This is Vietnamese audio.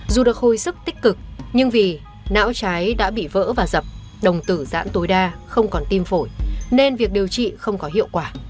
dù được hồi sức tích cực nhưng vì não trái đã bị vỡ và dập đồng tử giãn tối đa không còn tim phổi nên việc điều trị không có hiệu quả